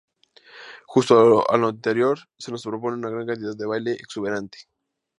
Junto a lo anterior, se nos propone una gran cantidad de baile exuberante.